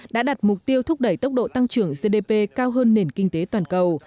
đã đặt mục tiêu thúc đẩy tốc độ tăng trưởng gdp cao hơn nền kinh tế toàn cầu